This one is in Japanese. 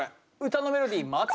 歌のメロディー松隈。